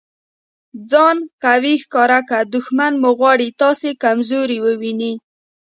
ځان قوي ښکاره که! دوښمن مو غواړي تاسي کمزوری وویني.